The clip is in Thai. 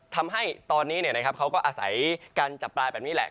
ทำให้ตอนนี้เขาก็อาศัยการจับปลาแบบนี้แหละ